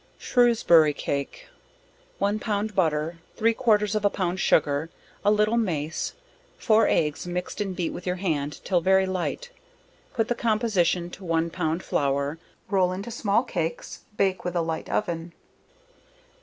Shrewsbury Cake. One pound butter, three quarters of a pound sugar, a little mace, four eggs mixed and beat with your hand, till very light, put the composition to one pound flour, roll into small cakes bake with a light oven.